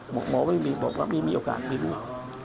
หมอบอกว่ามีโอกาสมีลูก